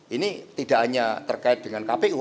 ini tidak hanya terkait dengan kpu